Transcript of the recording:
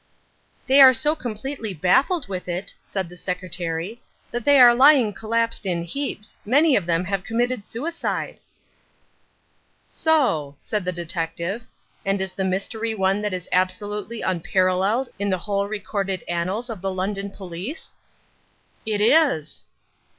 "They are so completely baffled with it," said the secretary, "that they are lying collapsed in heaps; many of them have committed suicide." "So," said the detective, "and is the mystery one that is absolutely unparalleled in the whole recorded annals of the London police?" "It is."